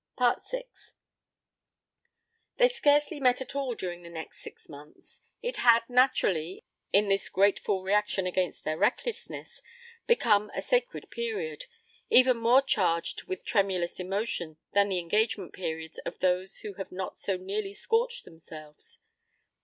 VI They scarcely met at all during the next six months it had, naturally, in this grateful reaction against their recklessness, become a sacred period, even more charged with tremulous emotion than the engagement periods of those who have not so nearly scorched themselves.